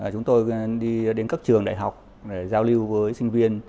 chúng tôi đi đến các trường đại học để giao lưu với sinh viên